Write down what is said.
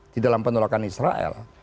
di dalam penolakan israel